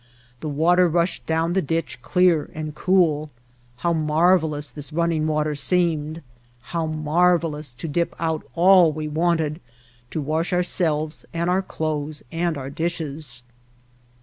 The water rushed down the ditch, clear and cool. How marvelous this running water seemed! How marvelous to dip out all we wanted to wash ourselves and our clothes and our dishes!